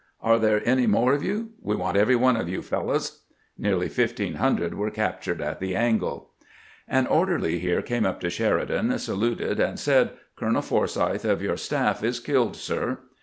Are there any more of you? We want every one of you fellowS." Nearly 1500 were captured at the angle. An orderly here came up to Sheridan, saluted, and said :" Colonel Forsyth of your staff is killed, sir."